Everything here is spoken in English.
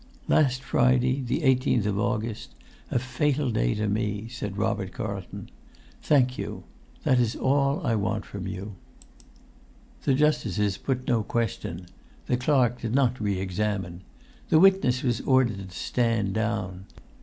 "Last Friday, the 18th of August; a fatal day to me!" said Robert Carlton. "Thank you. That is all I want from you." The justices put no question. The clerk did not re examine. The witness was ordered to stand down.